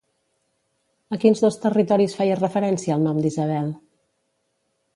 A quins dos territoris feia referència el nom d'Isabel?